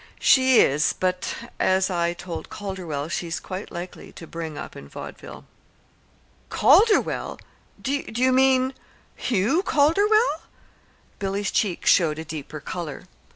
"She is; but, as I told Calderwell, she's quite likely to bring up in vaudeville." "Calderwell! Do you mean Hugh Calderwell?" Billy's cheeks showed a deeper color.